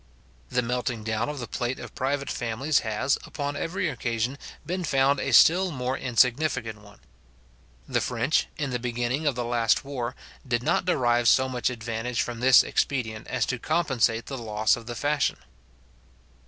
The melting down of the plate of private families has, upon every occasion, been found a still more insignificant one. The French, in the beginning of the last war, did not derive so much advantage from this expedient as to compensate the loss of the fashion.